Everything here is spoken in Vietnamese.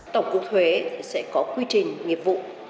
tổng cục thuế sẽ có quy trình nghiệp vụ